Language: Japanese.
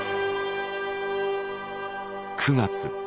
９月。